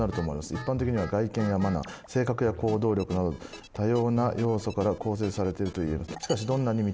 一般的には外見やマナー性格や行動力など多様な要素から構成されていると言えます」。